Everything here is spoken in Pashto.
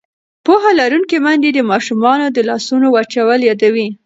پوهه لرونکې میندې د ماشومانو د لاسونو وچول یادوي.